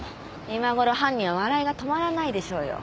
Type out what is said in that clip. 今ごろ犯人は笑いが止まらないでしょうよ。